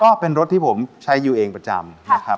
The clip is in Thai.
ก็เป็นรถที่ผมใช้อยู่เองประจำ